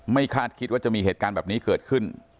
คาดคิดว่าจะมีเหตุการณ์แบบนี้เกิดขึ้น